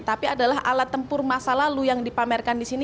tapi adalah alat tempur masa lalu yang dipamerkan di sini